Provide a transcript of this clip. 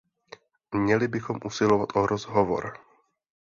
Měli bychom usilovat o rozhovor.